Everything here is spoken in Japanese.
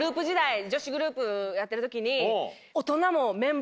女子グループやってる時に。